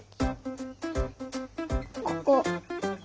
ここ。